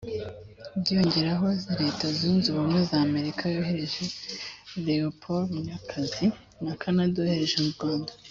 Byiyongeraho Leta Zunze Ubumwe za Amerika yohereje Léopold Munyakazi na Canada yohereje mu Rwanda